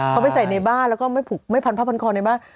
เขาไปใส่ในบ้านแล้วก็ไม่ผูกไม่พันผ้าพันคอในบ้าน